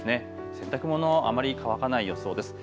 洗濯物あまり乾かない予想です。